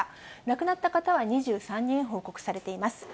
亡くなった方は２３人報告されています。